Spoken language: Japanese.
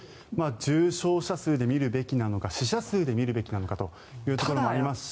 重症者数で見るべきなのか死者数で見るべきかというのもありますし。